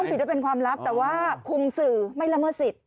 ผิดว่าเป็นความลับแต่ว่าคุมสื่อไม่ละเมิดสิทธิ